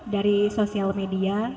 dari sosial media